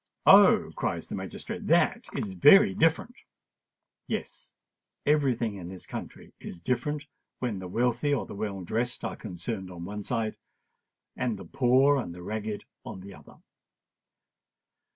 "Oh!" cries the magistrate; "that is very different!" Yes—every thing in this country is different when the wealthy or the well dressed are concerned on one side, and the poor and the ragged on the other.